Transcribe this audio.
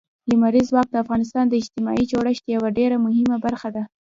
لمریز ځواک د افغانستان د اجتماعي جوړښت یوه ډېره مهمه برخه ده.